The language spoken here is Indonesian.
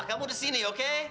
kamu di sini oke